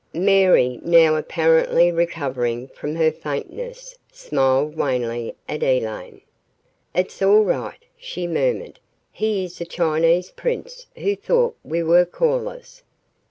Mary, now apparently recovering from her faintness, smiled wanly at Elaine. "It's all right," she murmured. "He is a Chinese prince who thought we were callers."